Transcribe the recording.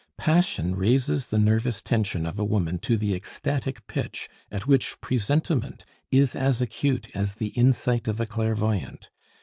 Passion raises the nervous tension of a woman to the ecstatic pitch at which presentiment is as acute as the insight of a clairvoyant.